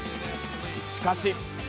しかし。